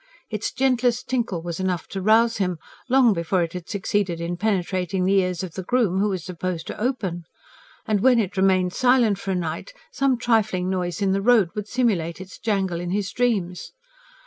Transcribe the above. Its gentlest tinkle was enough to rouse him long before it had succeeded in penetrating the ears of the groom, who was supposed to open. And when it remained silent for a night, some trifling noise in the road would simulate its jangle in his dreams.